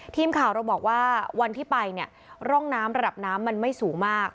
ทีมข่าวเราบอกว่าวันที่ไปเนี่ยร่องน้ำระดับน้ำมันไม่สูงมาก